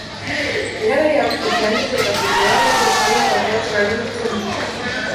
Era berean, ekialdeko eta mendebaldeko osagaiak bateratzen ahalegintzen da.